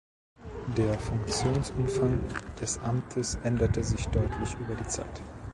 Der Funktionsumfang des Amtes änderte sich deutlich über die Zeit.